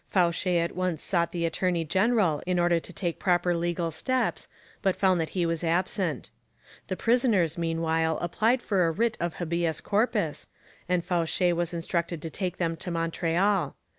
Fauché at once sought the attorney general, in order to take proper legal steps, but found that he was absent. The prisoners meanwhile applied for a writ of habeas corpus, and Fauché was instructed to take them to Montreal.